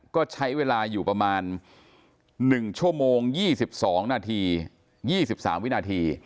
ก็ใช้เวลาอยู่ประมาณ๑ชั่วโมง๒๒นาที๒๓วินาที